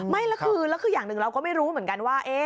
ไม่แล้วคืออย่างหนึ่งเราก็ไม่รู้เหมือนกันว่า